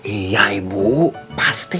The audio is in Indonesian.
iya ibu pasti